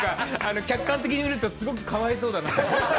客観的に見るとすごくかわいそうだなって。